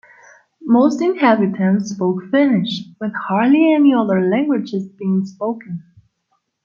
Most inhabitants spoke Finnish, with hardly any other languages being spoken.